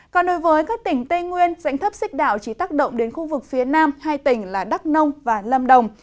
còn đối với các tỉnh tây nguyên dãy thấp xích đảo chỉ tác động đến khu vực phía nam hai tỉnh là đắk nông và lâm đồng